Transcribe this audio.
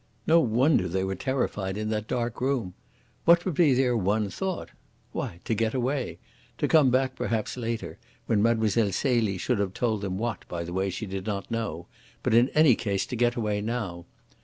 No wonder they were terrified in that dark room. What would be their one thought? Why, to get away to come back perhaps later, when Mlle. Celie should have told them what, by the way, she did not know, but in any case to get away now.